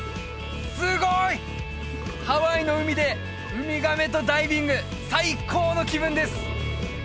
すごい！ハワイの海でウミガメとダイビング最高の気分です！